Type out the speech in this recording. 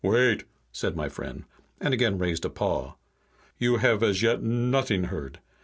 "Wait!" said my friend, and again raised a paw. "You have as yet not'ing heard.